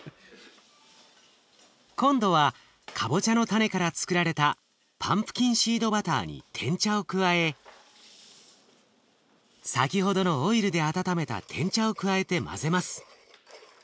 今度はかぼちゃの種からつくられたパンプキンシードバターにてん茶を加え先ほどのオイルで温めたてん茶を加えて混ぜます。